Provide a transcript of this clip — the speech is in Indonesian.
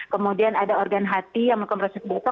kemudian ada organ hati yang mengkompresi keboko